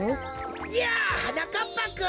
やあはなかっぱくん。